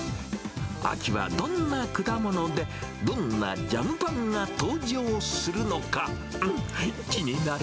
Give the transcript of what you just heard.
秋はどんな果物で、どんなジャムパンが登場するのか。